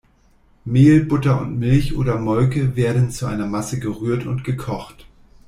Mehl, Butter und Milch oder Molke werden zu einer Masse gerührt und gekocht.